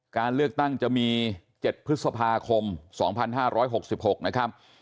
การเลือกตั้งจะมี๗พฤษภาคม๒๕๖๖นะครับ